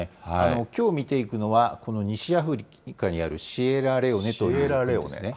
きょう見ていくのは、この西アフリカにあるシエラレオネという所ですね。